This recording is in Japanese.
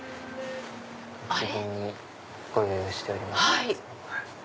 お次ご用意しております。